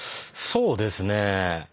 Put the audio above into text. そうですね。